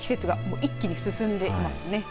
季節が一気に進んでいますね。